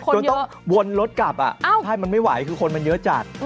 จนต้องวนรถกลับใช่มันไม่ไหวคือคนมันเยอะจัด